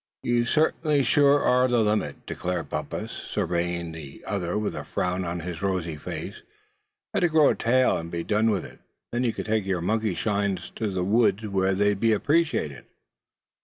"You certain sure are the limit;" declared Bumpus, surveying the other with a frown on his rosy face. "Better grow a tail, and be done with it. Then you could take your monkey shines to the woods, where they'd be appreciated."